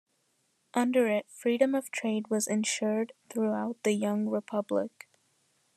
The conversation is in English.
Under it, freedom of trade was insured throughout the young republic.